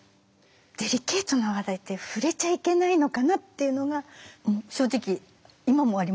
デリケートな話題って触れちゃいけないのかなっていうのが正直今もありますよね